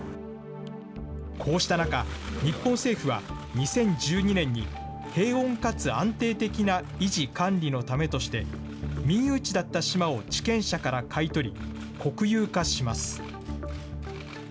こうした中、日本政府は２０１２年に、平穏かつ安定的な維持・管理のためとして、民有地だった島を地権者から買い取り、国有化します。